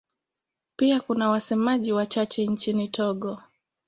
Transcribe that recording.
Pia kuna wasemaji wachache nchini Togo.